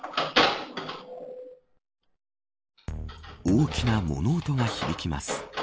大きな物音が響きます。